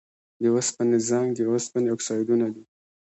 د اوسپنې زنګ د اوسپنې اکسایدونه دي.